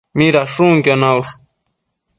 Midashunquio naush?